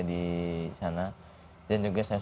di sana dan juga saya